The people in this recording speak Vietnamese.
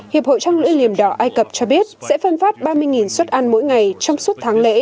hiệp hội trang lưỡi liềm đỏ ai cập cho biết sẽ phân phát ba mươi suất ăn mỗi ngày trong suốt tháng lễ